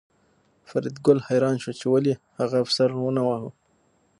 فریدګل حیران شو چې ولې هغه افسر ونه واهه